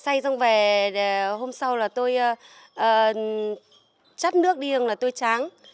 xay xong về hôm sau là tôi chắt nước điên là tôi tráng